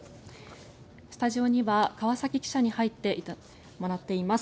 スタジオには川崎記者に入ってもらっています。